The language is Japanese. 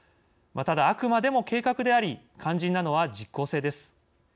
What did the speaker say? ただ、あくまでも計画であり肝心なのは実行性です。